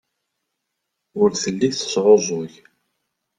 Ur telli tesɛuẓẓug.